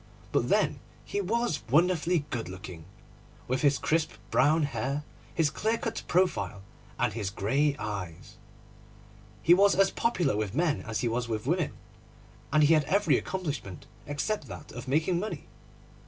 But then he was wonderfully good looking, with his crisp brown hair, his clear cut profile, and his grey eyes. He was as popular with men as he was with women and he had every accomplishment except that of making money.